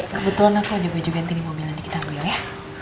kebetulan aku udah baju ganti di mobil nanti kita ambil ya